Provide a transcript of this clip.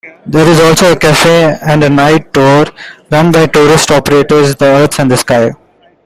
There is also a cafe and night-tours run by tourist operators, Earth and Sky.